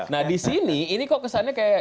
nah di sini ini kok kesannya kayak